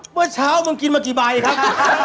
เมื่อเช้ามึงกินมากี่ใบครับ